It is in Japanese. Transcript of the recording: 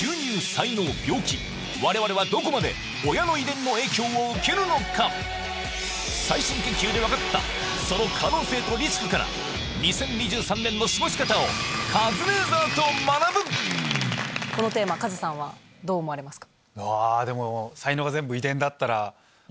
子供の最新研究で分かったその可能性とリスクから２０２３年の過ごし方をこのテーマカズさんはどう思われますか？